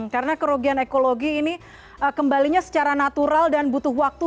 karena kerugian ekologi ini kembalinya secara natural dan butuh waktu